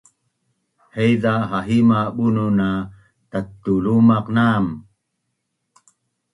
Haiza hahima bunun a tactulumaq na’am